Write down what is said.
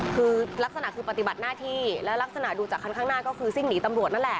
คือลักษณะคือปฏิบัติหน้าที่และลักษณะดูจากคันข้างหน้าก็คือซิ่งหนีตำรวจนั่นแหละ